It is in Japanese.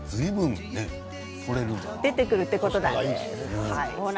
出てくるということです。